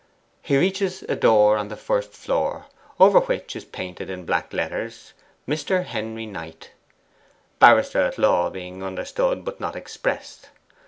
He reaches a door on the first floor, over which is painted, in black letters, 'Mr. Henry Knight' 'Barrister at law' being understood but not expressed.